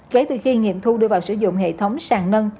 kể từ khi nghiệm thu đưa vào sử dụng hệ thống sàng nâng